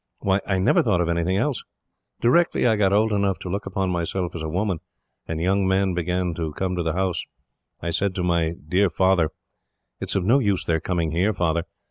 Why, I never thought of anything else. Directly I got old enough to look upon myself as a woman, and young men began to come to the house, I said to my dear father: "'It is of no use their coming here, Father.